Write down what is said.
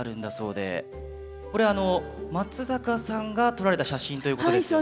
これ松坂さんが撮られた写真ということですよね？